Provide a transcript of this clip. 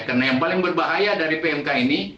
karena yang paling berbahaya dari pmk ini